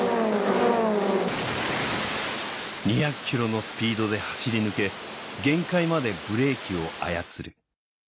２００キロのスピードで走り抜け限界までブレーキを操る